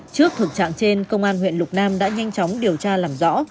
trước thực trạng trên công an huyện lục nam đã nhanh chóng điều tra làm rõ